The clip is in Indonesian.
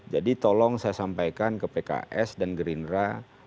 jadi tolong saya sampaikan ke pks dan gerindra